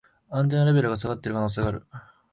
アンテナレベルが下がってる可能性がある